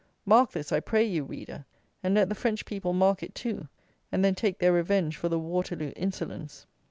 Mark this, I pray you, reader; and let the French people mark it, too, and then take their revenge for the Waterloo insolence.